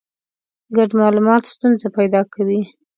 ګډ مالومات ستونزه پیدا کوي.